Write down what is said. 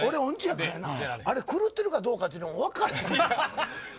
あれ、狂ってるかどうか分からへん。